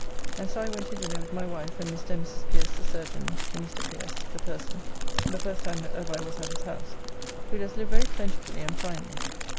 And so I went to dinner with my wife and Mr. and Mrs. Pierce the Surgeon to Mr. Pierce, the Purser (the first time that ever I was at his house) who does live very plentifully and finely.